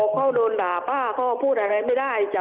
พ่อโดนด่าป้าพ่อพูดอะไรไม่ได้